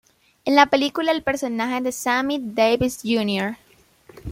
En la película, el personaje de Sammy Davis, Jr.